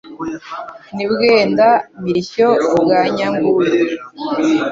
N'i Bwenda-mirishyo bwa Nyanguge,